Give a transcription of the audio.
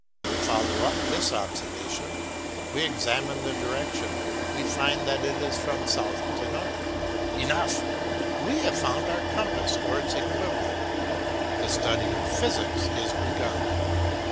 We follow up this observation; we examine the direction, we find that it is from south to north. Enough! we have found our compass or its equivalent; the study of physics is begun.